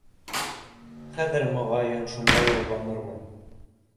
Хәҙер, моға йын, шунда юлланырмын